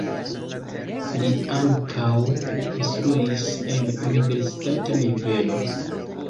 Li ankaŭ instruis en universitata nivelo.